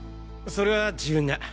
それは自分が！